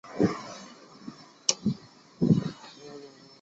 生于隆庆五年。